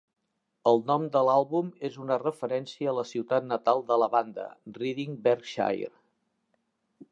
El nom de l'àlbum és una referència a la ciutat natal de la banda, Reading, Berkshire.